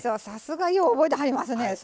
さすがよう覚えてはりますね。